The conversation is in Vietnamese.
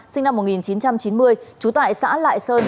sinh năm một nghìn chín trăm chín mươi trú tại xã lại sơn